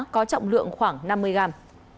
có trọng lượng khoảng năm mươi gram